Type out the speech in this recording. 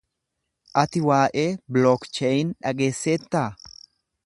Ati waa'ee 'Blockchain' dhageesseettaa?